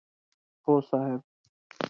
هو صاحب!